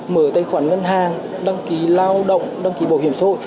mở tài khoản ngân hàng đăng ký lao động đăng ký bảo hiểm xã hội